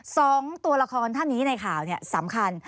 สองตัวละครท่านนี้ในข่าวเนี่ยสำคัญ